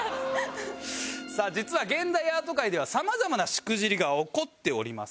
さあ実は現代アート界では様々なしくじりが起こっております。